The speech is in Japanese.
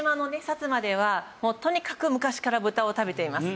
薩摩ではとにかく昔から豚を食べています。